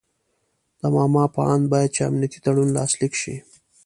د ماما په آند باید چې امنیتي تړون لاسلیک شي.